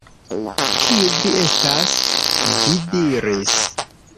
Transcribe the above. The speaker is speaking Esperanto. "Kiu vi estas?" ĝi diris.